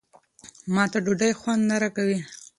ما ته ډوډۍ خوند نه راکوي.